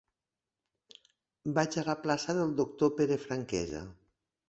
Vaig a la plaça del Doctor Pere Franquesa.